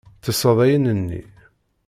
Ttesseḍ ayen-nni.